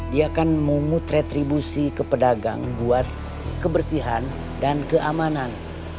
dia kan mau mutretribusi ke pedagang buat kebersihan dan keamanan